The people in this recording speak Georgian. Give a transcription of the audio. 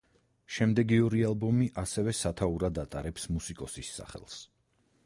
შემდეგი ორი ალბომი ასევე სათაურად ატარებს მუსიკოსის სახელს.